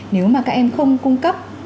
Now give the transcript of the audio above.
nếu mà các em không cung cấp